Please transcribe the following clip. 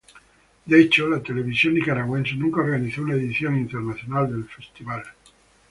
De hecho, la televisión nicaragüense nunca organizó una edición internacional del festival.